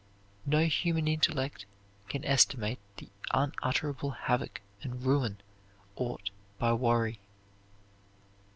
No human intellect can estimate the unutterable havoc and ruin wrought by worry.